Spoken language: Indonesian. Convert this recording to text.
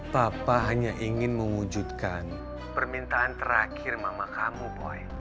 papa hanya ingin mengwujudkan permintaan terakhir mama kamu boy